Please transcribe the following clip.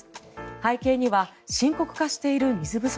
背景には深刻化している水不足。